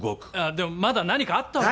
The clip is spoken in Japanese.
でもまだ何かあったわけじゃ。